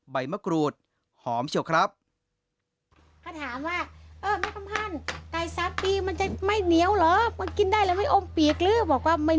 ใบมะกรูดหอมเชียวครับ